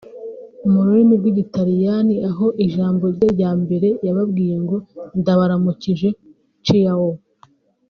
mu rurimi rw’Igitaliyani aho ijambo rye rya mbere yabawiye ngo Ndabaramukije “ciao”